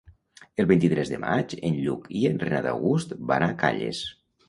El vint-i-tres de maig en Lluc i en Renat August van a Calles.